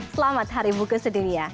selamat hari bukit sedunia